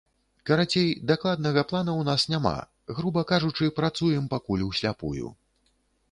Карацей, дакладнага плана ў нас няма, груба кажучы, працуем пакуль усляпую.